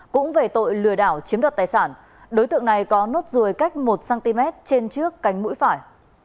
cũng về tội lừa đảo chiếm đoạt tài sản đối tượng này có nốt ruồi cách một cm trên trước cánh mũi phải